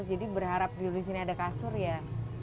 jadi berharap tidur di sini ada kasur ya